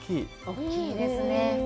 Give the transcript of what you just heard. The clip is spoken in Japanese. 大きいですね。